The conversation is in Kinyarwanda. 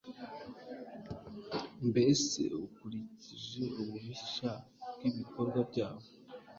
mbese ukurikije ububisha bw’ibikorwa byabo